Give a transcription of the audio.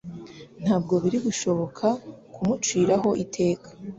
Ntabwo bari gushobora kumuciraho iteka.